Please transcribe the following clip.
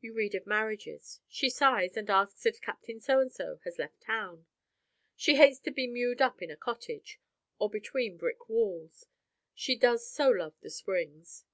You read of marriages: she sighs, and asks if Captain So and So has left town. She hates to be mewed up in a cottage, or between brick walls; she does so love the Springs!